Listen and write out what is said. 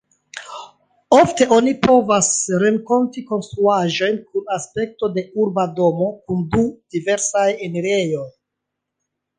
Ofte oni povas renkonti konstruaĵojn kun aspekto de urba domo, kun du diversaj enirejoj.